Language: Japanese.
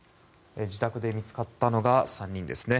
自宅で見つかったのが３人ですね。